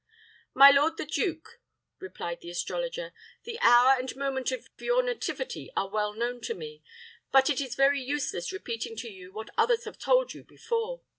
"My lord the duke," replied the astrologer, "the hour and moment of your nativity are well known to me; but it is very useless repeating to you what others have told you before.